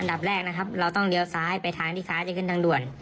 ดับแรกนะครับเราต้องเลี้ยวซ้ายไปทางที่ซ้ายจะขึ้นทางด่วน